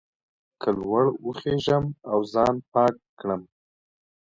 که لوړ وخېژم او ځان پاک کړم.